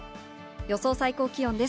予想最高気温です。